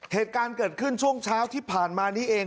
เหตุการณ์เกิดขึ้นช่วงเช้าที่ผ่านมานี้เอง